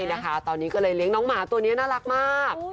นะคะตอนนี้ก็เลยเลี้ยงน้องหมาตัวนี้น่ารักมาก